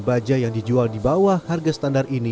baja yang dijual di bawah harga standar ini